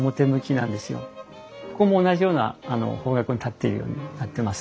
ここも同じような方角に建っているようになってます。